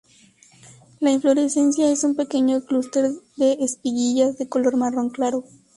La inflorescencia es un pequeño clúster de espiguillas de color marrón claro.